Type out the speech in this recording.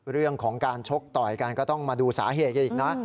เรื่องของการชกต่อยกันก็ต้องมาดูสาเหตุกันอีกนะ